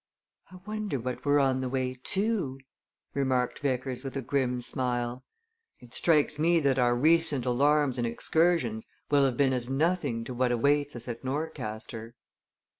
"I wonder what we're on the way to?" remarked Vickers with a grim smile. "It strikes me that our recent alarms and excursions will have been as nothing to what awaits us at Norcaster."